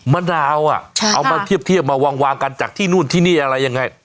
มะนาวเอามาเทียบมาวางกันจากที่นู่นที่นี่อะไรยังไง